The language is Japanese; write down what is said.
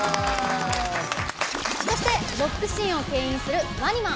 そしてロックシーンをけん引するＷＡＮＩＭＡ。